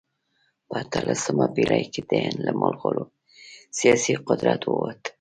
په اتلسمه پېړۍ کې د هند له مغولو سیاسي قدرت ووت.